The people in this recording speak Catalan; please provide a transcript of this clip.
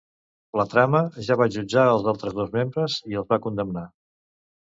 La trama ja va jutjar els altres dos membres i els va condemnar.